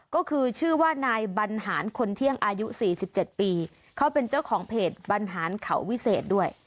ก็คือชื่อว่านายบรรหารคนเที่ยงอายุ๔๗ปีเขาเป็นเจ้าของเพจบรรหารเขาวิเศษด้วย